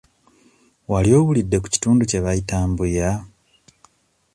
Wali owulidde ku kitundu kye bayita Mbuya?